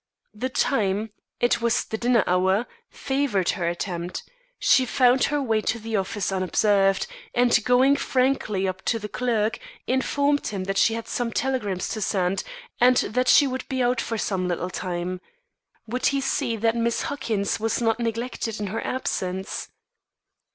The time it was the dinner hour favoured her attempt. She found her way to the office unobserved, and, going frankly up to the clerk, informed him that she had some telegrams to send and that she would be out for some little time. Would he see that Miss Huckins was not neglected in her absence?